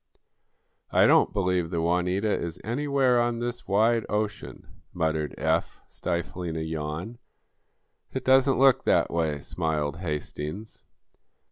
'" "I don't believe the 'Juanita' is anywhere on this wide ocean," muttered Eph, stifling a yawn. "It doesn't look that way," smiled Hastings.